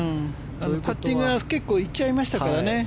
パッティングが結構行っちゃいましたからね。